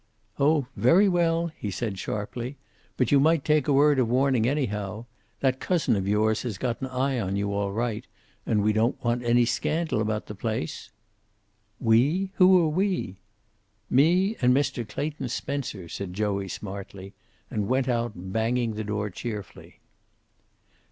"Oh, very well," he said sharply. "But you might take a word of warning, anyhow. That cousin of yours has got an eye on you, all right. And we don't want any scandal about the place." "We? Who are 'we'?" "Me and Mr. Clayton Spencer," said Joey, smartly, and went out, banging the door cheerfully.